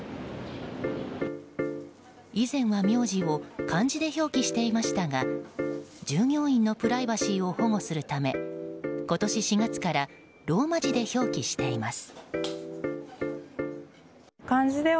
以前は名字を漢字で表記していましたが従業員のプライバシーを保護するため今年４月からローマ字で表記しています。